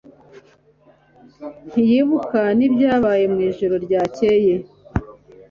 Ntiyibuka n'ibyabaye mwijoro ryakeye